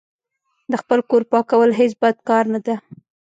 د خپل کور پاکول هیڅ بد کار نه ده.